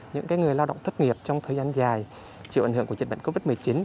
những người lao động thất nghiệp trong thời gian dài chịu ảnh hưởng của dịch bệnh covid một mươi chín